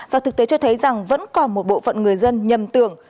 và thực tế cho thấy rằng vẫn còn một bộ phận người dân nhầm tưởng